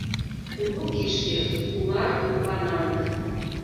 Кугу кишке, улар-лананг!..